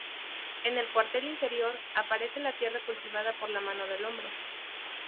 En el cuartel inferior, aparece la tierra cultivada por la mano del hombre.